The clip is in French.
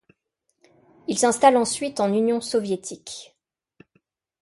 Il s'installe ensuite en Union soviétique.